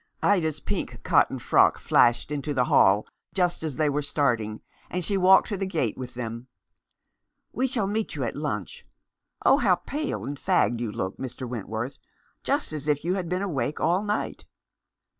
Ida's pink cotton frock flashed into the hall just as they were starting, and she walked to the gate with them. "We shall meet you at lunch. Oh! how pale and fagged you look, Mr. Wentworth, just as if you had been awake all night."